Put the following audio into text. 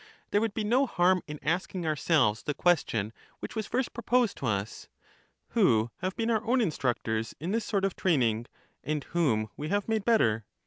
There would be no harm in asking ourselves the question which was first proposed to us: Who have been our own in structors in this soii; of training, and whom we have made better?